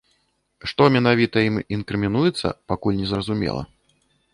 Што менавіта ім інкрымінуецца, пакуль незразумела.